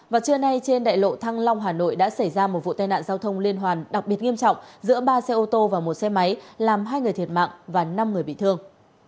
vào trưa nay trên đại lộ thăng long hà nội đã xảy ra một vụ tai nạn giao thông liên hoàn đặc biệt nghiêm trọng giữa ba xe ô tô và một xe máy làm hai người thiệt mạng và năm người bị thương